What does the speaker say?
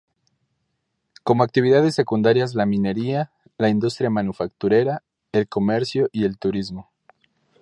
Como actividades secundarias la minería, la industria manufacturera, el comercio y turismo.